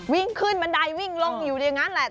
วิ่งขึ้นบันไดวิ่งลงอยู่อย่างนั้นแหละ